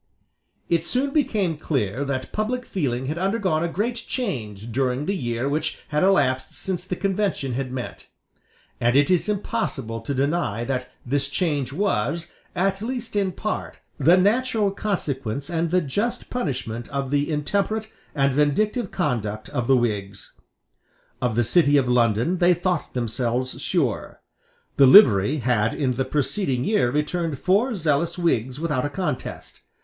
It soon became clear that public feeling had undergone a great change during the year which had elapsed since the Convention had met; and it is impossible to deny that this change was, at least in part, the natural consequence and the just punishment of the intemperate and vindictive conduct of the Whigs. Of the city of London they thought themselves sure. The Livery had in the preceding year returned four zealous Whigs without a contest.